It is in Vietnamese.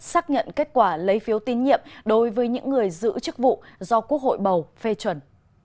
xác nhận kết quả lấy phiếu tín nhiệm đối với những người giữ chức vụ do quốc hội bầu phê chuẩn